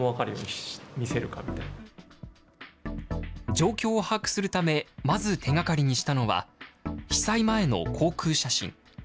状況を把握するため、まず手がかりにしたのは、被災前の航空写真。